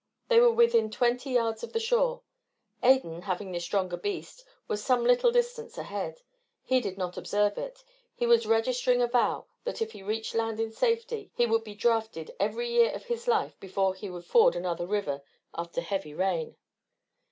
They were within twenty yards of the shore. Adan, having the stronger beast, was some little distance ahead. He did not observe it. He was registering a vow that if he reached land in safety he would be drafted every year of his life before he would ford another river after heavy rain.